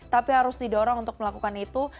tapi harus didorong untuk melakukan itu